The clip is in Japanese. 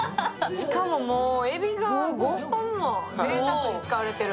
しかも、えびが５本もぜいたくに使われてる。